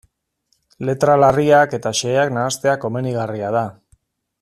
Letra larriak eta xeheak nahastea komenigarria da.